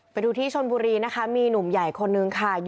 ไปดูที่ชนบุรีนะคะมีหนุ่มใหญ่คนนึงค่ะ